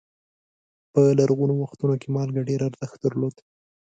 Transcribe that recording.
په لرغونو وختونو کې مالګه ډېر ارزښت درلود.